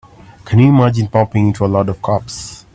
Can you imagine bumping into a load of cops?